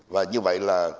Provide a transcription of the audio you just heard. và như vậy là